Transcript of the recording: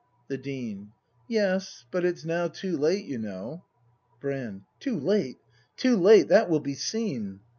The Dean. Yes; but it's now too late, you know Brand. Too late? Too late! That will be seen!